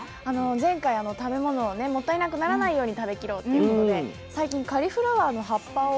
前回食べ物をねもったいなくならないように食べきろうということで最近カリフラワーの葉っぱを細かく刻んで。